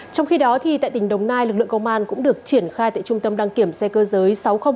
trong khi đó tại tỉnh đồng nai lực lượng công an cũng được triển khai tại trung tâm đăng kiểm xe cơ giới sáu nghìn bốn g